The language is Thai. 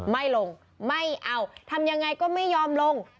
ไม่ลงไม่เอาทำยังไงก็ไม่ยอมลง